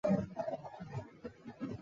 嘉庆十六年园寝。